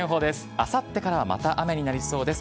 あさってからまた雨になりそうです。